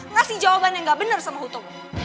ngasih jawaban yang gak bener sama hu tomo